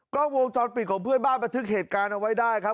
ก็วงจอควรบิของเพื่อนบ้านระทึกเหตุการณ์เอาไว้ได้ครับ